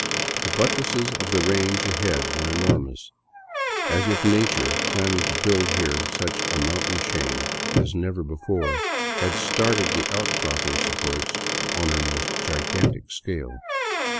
The buttresses of the range ahead were enormous, as if nature, plan ning to build here such a mountain chain as never before, had started the outcropping supports on her most gigantic scale.